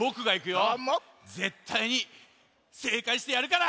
ぜったいにせいかいしてやるから！